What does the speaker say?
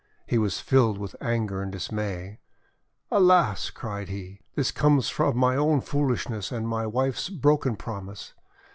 He was filled with anger and dismay. "Alas!" cried he. "This comes of my own foolishness, and of my wife's broken promise!